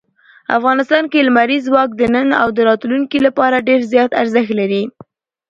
افغانستان کې لمریز ځواک د نن او راتلونکي لپاره ډېر زیات ارزښت لري.